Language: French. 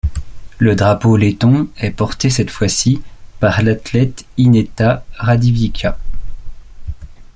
Le drapeau letton est porté cette fois-ci par l'athlète Ineta Radēviča.